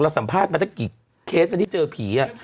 สัมภาษณ์มาตั้งกี่เคสที่เจอผี